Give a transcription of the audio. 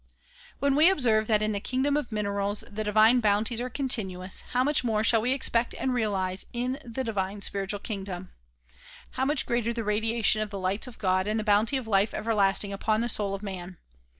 When we observe that in the kingdom of minerals the divine bounties are continuous, how much more shall we expect and realize in the divine spiritual kingdom ! How much greater the radiation of the lights of God and the bounty of life everlasting upon the soul of man!